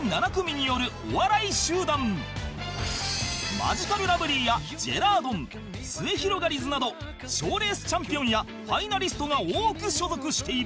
マヂカルラブリーやジェラードンすゑひろがりずなど賞レースチャンピオンやファイナリストが多く所属している